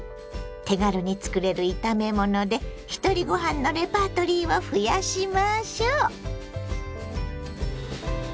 手軽につくれる炒め物でひとりご飯のレパートリーを増やしましょ。